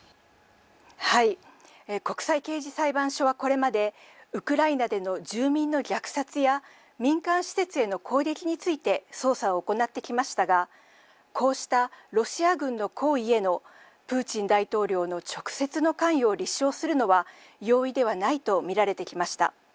国際刑事裁判所はこれまで、ウクライナでの住民の虐殺や、民間施設への攻撃について捜査を行ってきましたが、こうしたロシア軍の行為へのプーチン大統領の直接の関与を立証するのは容易ではないと見られてきました。